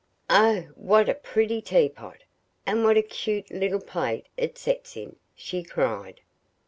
"Oh, what a pretty teapot! And what a cute little plate it sets in!" she cried.